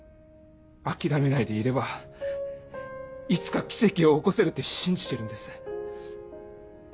諦めないでいればいつか奇跡を起こせるって信じてるんです。